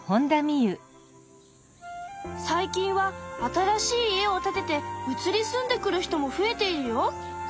最近は新しい家を建てて移り住んでくる人も増えているよ。